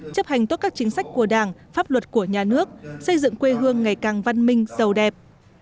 chấp hành tốt các chính sách của đảng pháp luật của nhà nước xây dựng quê hương ngày càng văn minh giàu đẹp